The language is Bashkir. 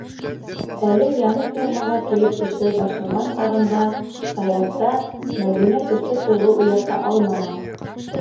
Әле яңы фермаға килеп эшләй башлаған сағында Саяфта Мәҙинә көслө тойғо уята алманы.